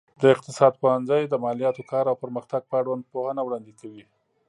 د اقتصاد پوهنځی د مالياتو، کار او پرمختګ په اړوند پوهنه وړاندې کوي.